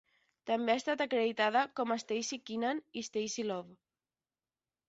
També ha estat acreditada com a Stacy Keenan i Staci Love.